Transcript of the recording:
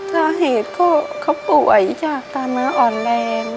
ถ้าเห็นก็เขาป่วยจากการมืออ่อนแรง